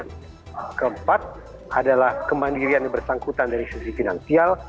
yang keempat adalah kemandirian yang bersangkutan dari sisi finansial